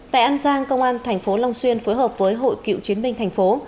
tại an giang công an tp long xuyên phối hợp với hội cựu chiến binh thành phố